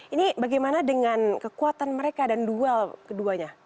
ini bagaimana dengan kekuatan mereka dan duel keduanya